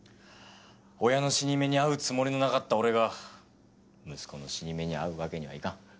親の死に目に会うつもりのなかった俺が息子の死に目に会うわけにはいかん。